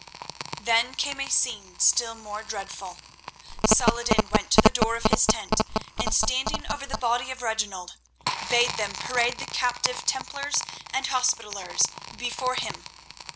Then came a scene still more dreadful. Saladin went to the door of his tent, and standing over the body of Reginald, bade them parade the captive Templars and Hospitallers before him.